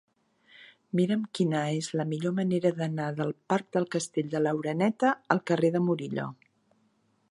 Mira'm quina és la millor manera d'anar del parc del Castell de l'Oreneta al carrer de Murillo.